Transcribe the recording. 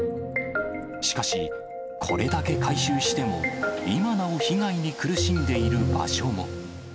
しかし、これだけ回収しても、今なお被害に苦しんでいる場所も。